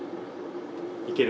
いける？